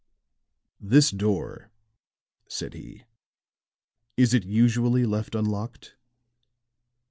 "This door," said he; "is it usually left unlocked?"